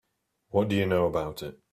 What do you know about it?